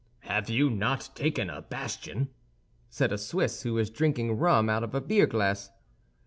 "Have you not taken a bastion?" said a Swiss, who was drinking rum out of a beer glass.